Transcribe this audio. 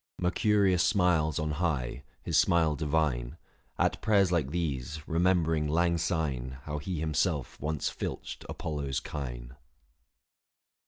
169 Mercurius smiles on high, his smile divine, 790 At prayers like these, remembering lang syne How he himself once filched Apollo's kine.